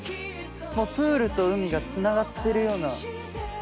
プールと海がつながってるような。